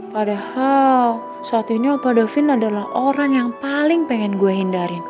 padahal saat ini opa davin adalah orang yang paling pengen gue hindarin